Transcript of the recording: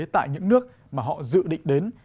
tại những nước mà họ dự định đến